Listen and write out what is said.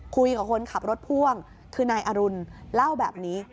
คุยกับคนขับรถพ่วงคือนายอรุณเล่าแบบนี้